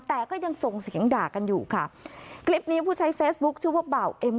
แต่ก็ยังส่งเสียงด่ากันอยู่ค่ะคลิปนี้ผู้ใช้เฟซบุ๊คชื่อว่าบ่าวเอ็ม